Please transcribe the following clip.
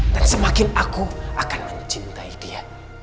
dan semakin aku akan mencintai dia